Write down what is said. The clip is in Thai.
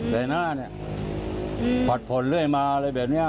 แต่หน้าเนี่ยผัดผ่อนเรื่อยมาอะไรแบบนี้